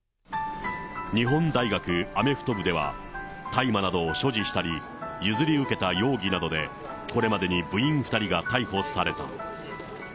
日本大学アメフト部では、大麻などを所持したり、譲り受けた容疑などで、これまでに部員２人が逮捕された。